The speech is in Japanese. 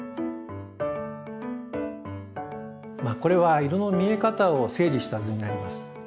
これは色の見え方を整理した図になります。